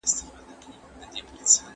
بهرنۍ پالیسي د باور پرته نه عملي کيږي.